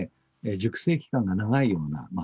熟成期間が長いようなまあ